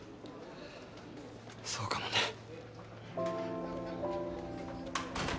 そうかもね。